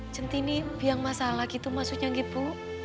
centini biang masalah gitu maksudnya ibu